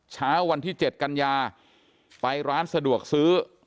เช้าวันที่๗กันยาไปร้านสะดวกซื้อ